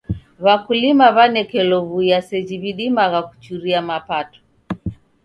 W'akulima w'anekelo w'uya seji w'idimagha kuchuria mapato.